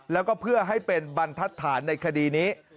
แล้วก็เพื่อให้เป็นบรรทัศนในคดีนี้